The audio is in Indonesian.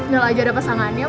ngelajar ada pasangannya